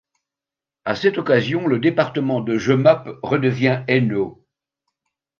À cette occasion, le département de Jemappes redevient Hainaut.